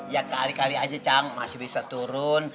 ya kali kali aja cang masih bisa turun